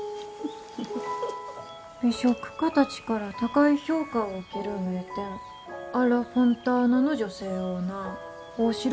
「美食家たちから高い評価を受ける名店『アッラ・フォンターナ』の女性オーナー大城房子さん」。